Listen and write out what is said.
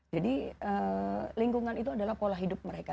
jadi lingkungan itu adalah pola hidup mereka